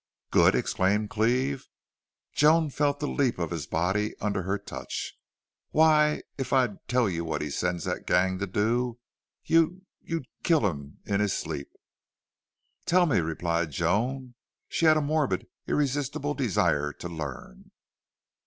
"Good!" exclaimed Cleve. Joan felt the leap of his body under her touch. "Why, if I'd tell you what he sends that gang to do you'd you'd kill him in his sleep." "Tell me," replied Joan. She had a morbid, irresistible desire to learn.